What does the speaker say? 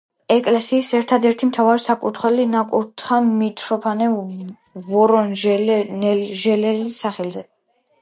ეკლესიის ერთადერთი მთავარი საკურთხეველი ნაკურთხია მიტროფანე ვორონეჟელის სახელზე.